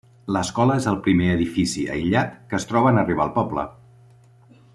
L'escola és el primer edifici, aïllat, que es troba en arribar al poble.